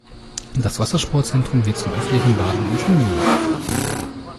Das Wassersportzentrum wird zum öffentlichen Baden und Schwimmen genutzt.